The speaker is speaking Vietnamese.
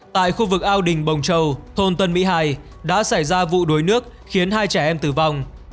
tại khu vực ao đình bồng châu thôn tân mỹ hai đã xảy ra vụ đuối nước khiến hai trẻ em tử vong